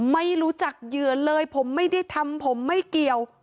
ไม่รู้จักเหยื่อเลยผมไม่ได้ทำผมไม่เกี่ยว